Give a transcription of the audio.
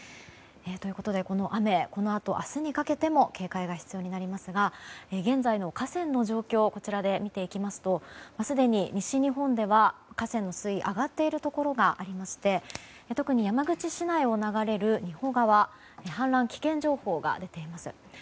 この雨、このあと明日にかけても警戒が必要になりますが現在の河川の状況を見ていきますとすでに西日本では河川の水位上がっているところがありまして特に山口市内を流れる仁保川は氾濫危険情報が出ています。